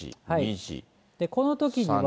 このときには。